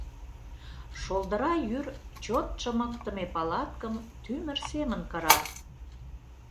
Шолдыра йӱр чот чымыктыме палаткым тӱмыр семын кыра.